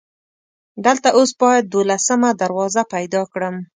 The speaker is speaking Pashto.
دلته اوس باید دولسمه دروازه پیدا کړم.